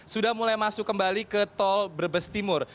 sudah mulai masuk kembali ke tol brebes timur